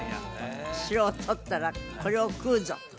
「城を取ったらこれを食うぞ」